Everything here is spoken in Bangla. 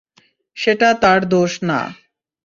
সেটা তার দোষ না।